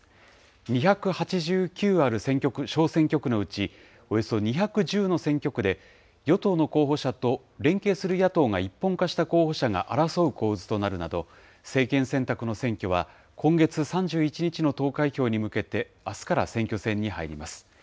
２８９ある小選挙区のうち、およそ２１０の選挙区で、与党の候補者と連携する野党が一本化した候補者が争う構図となるなど、政権選択の選挙は、今月３１日の投開票に向けて、あすから選挙戦に入ります。